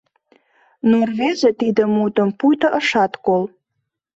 Но рвезе тиде мутым пуйто ышат кол.